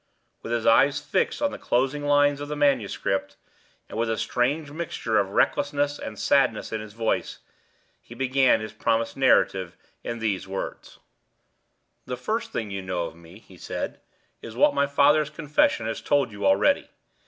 With his eyes fixed on the closing lines of the manuscript, and with a strange mixture of recklessness and sadness in his voice, he began his promised narrative in these words: "The first thing you know of me," he said, "is what my father's confession has told you already.